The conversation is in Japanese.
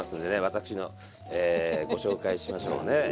私のえご紹介しましょうね。